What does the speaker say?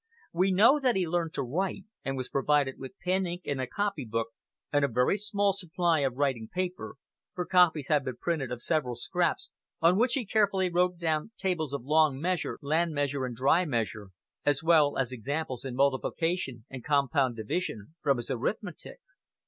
We know that he learned to write, and was provided with pen, ink, and a copy book, and a very small supply of writing paper, for copies have been printed of several scraps on which he carefully wrote down tables of long measure, land measure, and dry measure, as well as examples in multiplication and compound division, from his arithmetic.